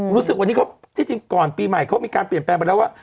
รู้สึกวันนี้ที่จริงก่อนปีใหม่เขามีการเปลี่ยนแปลงไปแล้วว่า